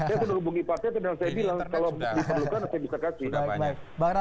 saya sudah hubungi pasien dan saya bilang kalau diperlukan saya bisa kasih